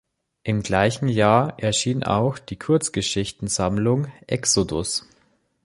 Im gleichen Jahr erschien auch die Kurzgeschichtensammlung "Exodus".